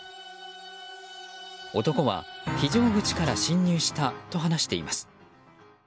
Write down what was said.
男は非常口から侵入したと話しています。